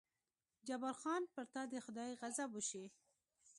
جبار خان: پر تا دې د خدای غضب وشي.